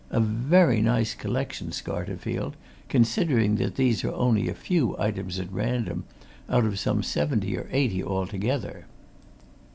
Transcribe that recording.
a very nice collection, Scarterfield, considering that these are only a few items at random, out of some seventy or eighty altogether.